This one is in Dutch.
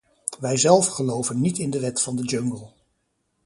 Wijzelf geloven niet in de wet van de jungle.